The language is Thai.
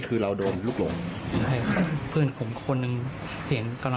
ก็ไปให้ออกมา